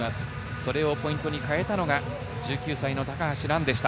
それをポイントに変えたのが１９歳の高橋藍でした。